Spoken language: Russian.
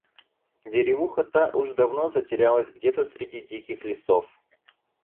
Деревуха та уж давно затерялась где-то среди диких лесов.